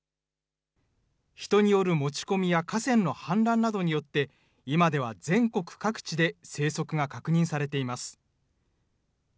人による持ち込みや河川の氾濫などによって、今では全国各地で生息が確認されています。